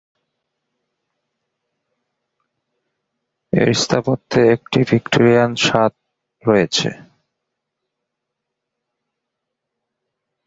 এর স্থাপত্যে একটি ভিক্টোরিয়ান স্বাদ রয়েছে।